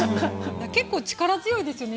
結構力強いですよね。